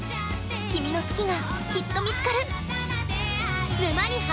君の「好き」がきっと見つかる！